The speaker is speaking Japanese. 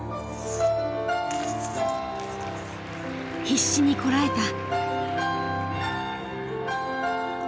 必死にこらえた。